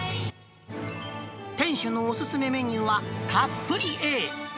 店主のお勧めメニューは、たっぷりＡ。